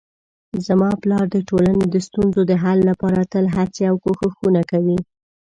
زما پلار د ټولنې د ستونزو د حل لپاره تل هڅې او کوښښونه کوي